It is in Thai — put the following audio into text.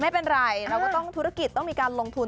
ไม่เป็นไรเราก็ต้องธุรกิจต้องมีการลงทุน